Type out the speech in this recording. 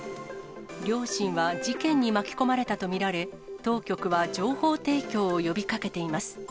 両親は事件に巻き込まれたと見られ、当局は情報提供を呼びかけています。